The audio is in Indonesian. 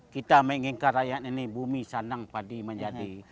kita menginginkan rakyat ini bumi sandang padi menjadi